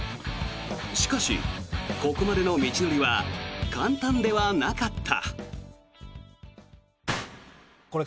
しかし、ここまでの道のりは簡単ではなかった。